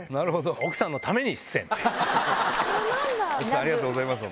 ありがとうございます。